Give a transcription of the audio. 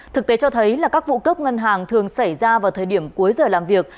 thực tế cho thấy là các vụ cướp ngân hàng thường xảy ra vào thời điểm cuối giờ làm việc